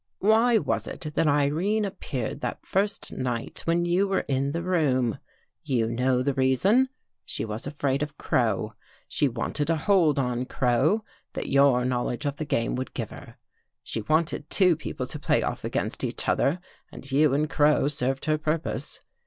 " Why was it that Irene appeared that first night when you were in the room? You know the reason. She was afraid of Crow. She wanted a hold on Crow that your knowledge of the game would give her. She wanted two people to play off against each other and you and Crow served her purpose.